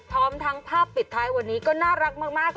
พร้อมทั้งภาพปิดท้ายวันนี้ก็น่ารักมาก